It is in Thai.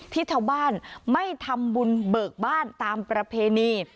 ที่ชาวบ้านไม่ทำบุญเบิกบ้านตามประเพณี